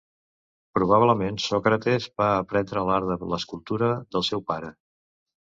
Probablement Sòcrates va aprendre l'art de l'escultura del seu pare.